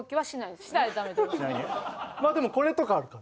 まあでもこれとかあるから。